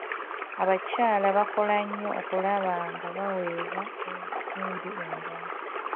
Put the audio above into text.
Abakyala bakola nnyo okulaba nga baweebwa ensimbi endala.